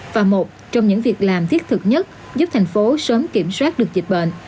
và một trong những việc làm thiết thực nhất giúp thành phố sớm kiểm soát được dịch bệnh